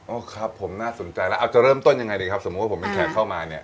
ครับผมน่าสนใจแล้วเอาจะเริ่มต้นยังไงดีครับสมมุติว่าผมเป็นแขกเข้ามาเนี่ย